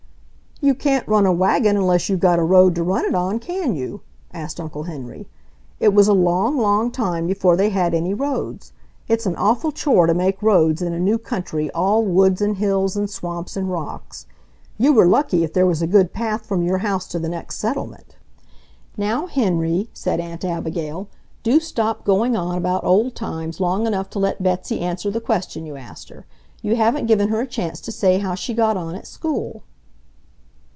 "You can't run a wagon unless you've got a road to run it on, can you?" asked Uncle Henry. "It was a long, long time before they had any roads. It's an awful chore to make roads in a new country all woods and hills and swamps and rocks. You were lucky if there was a good path from your house to the next settlement." "Now, Henry," said Aunt Abigail, "do stop going on about old times long enough to let Betsy answer the question you asked her. You haven't given her a chance to say how she got on at school."